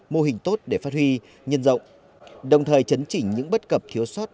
mô hình tốt để phát huy nhân rộng đồng thời chấn chỉnh những bất cập thiếu soát